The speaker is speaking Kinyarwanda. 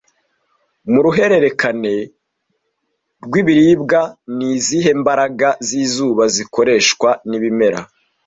Mu ruhererekane rw'ibiribwa, ni izihe mbaraga z'izuba zikoreshwa n'ibimera